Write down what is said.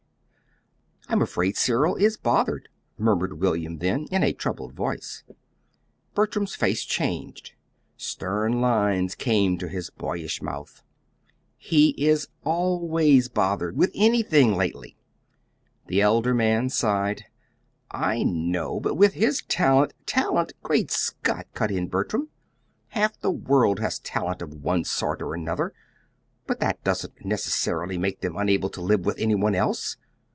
"I'm afraid Cyril is bothered," murmured William then, in a troubled voice. Bertram's face changed. Stern lines came to his boyish mouth. "He is always bothered with anything, lately." The elder man sighed. "I know, but with his talent " "'Talent'! Great Scott!" cut in Bertram. "Half the world has talent of one sort or another; but that doesn't necessarily make them unable to live with any one else!